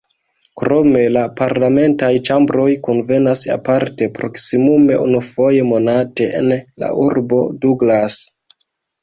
Krome la parlamentaj ĉambroj kunvenas aparte, proksimume unufoje monate, en la urbo Douglas.